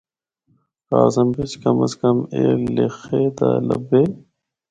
کاغذاں بچ کم از کم ایہہ لخے دا لبھے۔